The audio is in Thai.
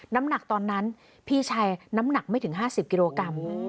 น้ำหนักตอนนั้นพี่ชายน้ำหนักไม่ถึง๕๐กิโลกรัม